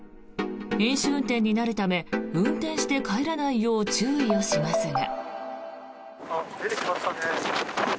飲酒運転になるため運転して帰らないよう注意をしますが。